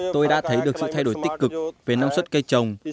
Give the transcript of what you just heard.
tôi đã thấy được sự thay đổi tích cực về năng suất cây trồng